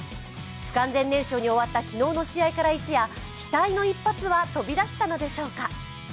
不完全燃焼に終わった昨日の試合から一夜、期待の一発は飛び出したのでしょうか。